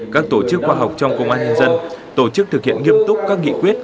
các tổ chức khoa học trong công an nhân dân tổ chức thực hiện nghiêm túc các nghị quyết